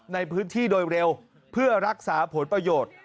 ในพื้นที่โดยเร็วเพื่อรักษาผลประโยชน์